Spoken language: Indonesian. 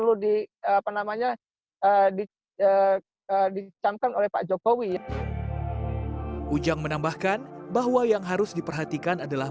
ujang menambahkan bahwa yang harus diperhatikan adalah